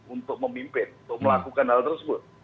untuk memimpin untuk melakukan hal tersebut